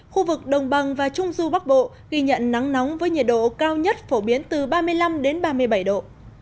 khu vực đồng bằng và trung du bắc bộ ghi nhận nắng nóng với nhiệt độ cao nhất phổ biến từ ba mươi năm ba mươi bảy độ